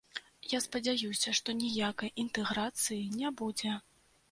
Я спадзяюся, што ніякай інтэграцыі не будзе.